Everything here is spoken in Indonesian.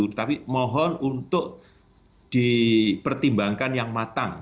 tetapi mohon untuk dipertimbangkan yang matang